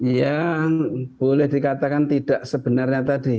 yang boleh dikatakan tidak sebenarnya tadi